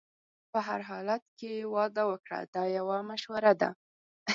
په هر حالت کې واده وکړه دا یو مشوره ده.